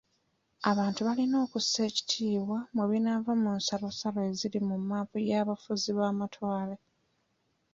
Abantu balina okussa ekitiibwa mu binaava mu nsalosalo eziri mu mmaapu y'abafuzi b'amatwale.